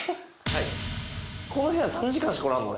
はいこの部屋３時間しかおらんの？